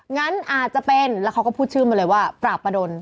งั้นอาจจะเป็นแล้วเขาก็พูดชื่อมาเลยว่าปราบประดน